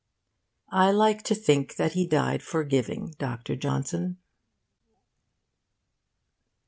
I like to think that he died forgiving Dr. Johnson.